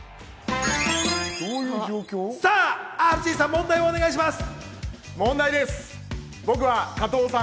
さぁＲＧさん、問題をお願いします。